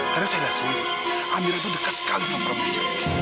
karena saya lihat sendiri amirah itu dekat sekali sama prabu wijaya